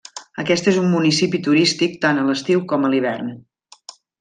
Aquest és un municipi turístic tant a l'estiu com a l'hivern.